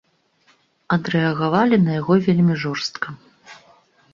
Адрэагавалі на яго вельмі жорстка.